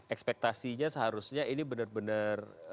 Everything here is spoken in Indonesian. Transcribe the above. ekspektasinya seharusnya ini benar benar